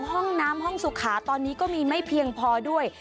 ห้องน้ำห้องสุขาตอนนี้ก็มีไม่เพียงพอด้วย